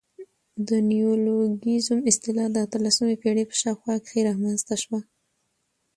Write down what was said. د نیولوګیزم اصطلاح د اتلسمي پېړۍ په شاوخوا کښي رامنځ ته سوه.